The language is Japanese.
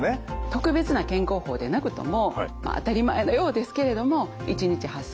特別な健康法でなくとも当たり前のようですけれども一日８，０００歩以上歩くとか